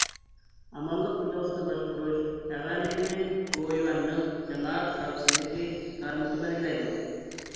ئامانلىق دېلوسىنى باشقۇرۇش تەۋەلىكىنى گوۋۇيۈەننىڭ جامائەت خەۋپسىزلىكى تارمىقى بەلگىلەيدۇ.